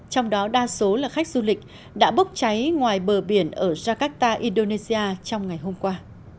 trong đó đa số là khách du lịch đã bốc cháy ngoài bờ biển ở jakarta indonesia trong ngày hôm qua